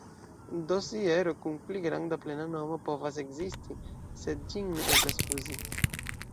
Dosiero kun pli granda plena nomo povas ekzisti, sed ĝin ne eblas uzi.